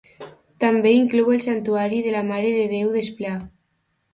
També inclou el santuari de la Mare de Déu d'Esplà.